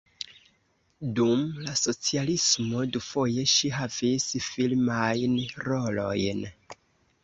Dum la socialismo dufoje ŝi havis filmajn rolojn.